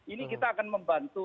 ini kita akan membantu